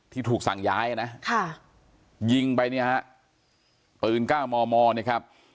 ที่ถูกสั่งย้ายนะค่ะยิงไปเนี่ยฮะปืน๙มมเนี่ยครับ